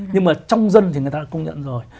nhưng mà trong dân thì người ta đã công nhận rồi